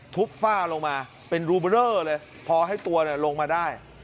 ทุบฝ้าลงมาเป็นเลยพอให้ตัวเนี่ยลงมาได้